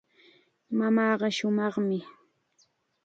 Mamaaqa shumaqmi.